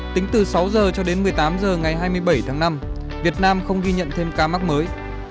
tính từ sáu h cho đến một mươi tám h ngày hai mươi bảy tháng năm việt nam không ghi nhận thêm ca mắc mới